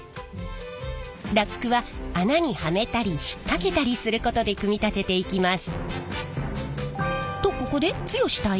ラックは穴にはめたり引っ掛けたりすることで組み立てていきます。